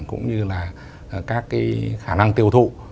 cũng như là các cái khả năng tiêu thụ